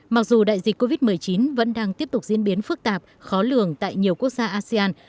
mặc dù đại dịch covid một mươi chín vẫn đang tiếp tục diễn biến phức tạp khó lường tại nhiều quốc gia asean